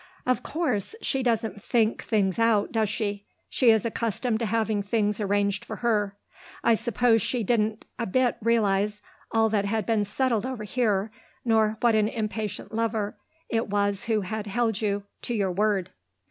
"Of course; but she doesn't think things out, does she? She is accustomed to having things arranged for her. I suppose she didn't a bit realise all that had been settled over here, nor what an impatient lover it was who held you to your word."